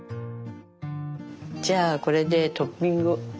じゃあこれでトッピング。